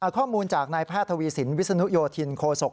ข้อมูลจากนายแพทย์ทวีสินวิศนุโยธินโคศก